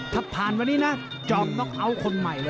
ถ้าผ่านวันนี้นะจอมน็อกเอาท์คนใหม่เลย